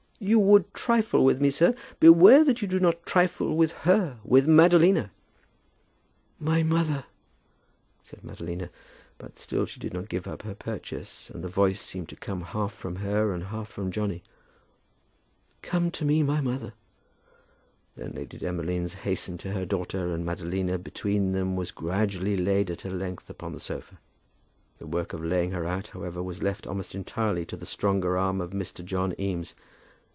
"You would trifle with me, sir. Beware that you do not trifle with her, with Madalina!" "My mother," said Madalina; but still she did not give up her purchase, and the voice seemed to come half from her and half from Johnny. "Come to me, my mother." Then Lady Demolines hastened to her daughter, and Madalina between them was gradually laid at her length upon the sofa. The work of laying her out, however, was left almost entirely to the stronger arm of Mr. John Eames.